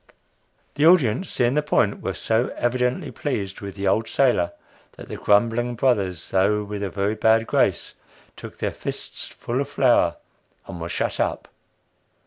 The audience, seeing the point, were so evidently pleased with the old sailor, that the grumbling "brothers" though with a very bad grace, took their fists full of flour, and were shut up.